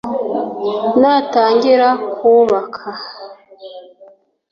natangira kuwubaka